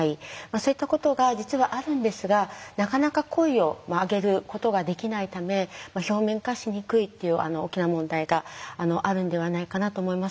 そういったことが実はあるんですがなかなか声を上げることができないため表面化しにくいっていう大きな問題があるんではないかなと思います。